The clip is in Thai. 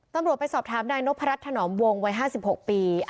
ตำรวจไปสอบถามนายนพระรัชถนอมวงวัย๕๖ปี